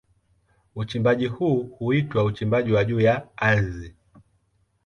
Uchimbaji huu huitwa uchimbaji wa juu ya ardhi.